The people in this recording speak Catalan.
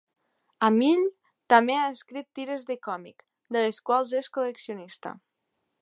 Hamill també ha escrit tires de còmic, de les quals és col·leccionista.